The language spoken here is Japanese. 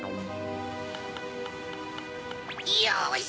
よし！